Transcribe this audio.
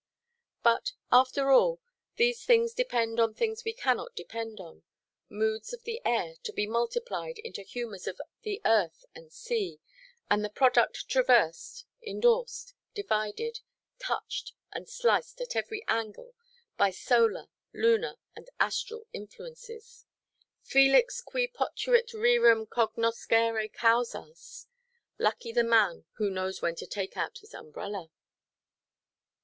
But, after all, these things depend on things we cannot depend upon,—moods of the air to be multiplied into humours of the earth and sea, and the product traversed, indorsed, divided, touched, and sliced at every angle by solar, lunar, and astral influences. "Felix qui potuit rerum cognoscere causas." Lucky the man who knows when to take out his umbrella.